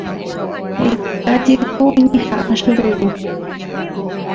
Heta jeko oñeha'ã Choperu.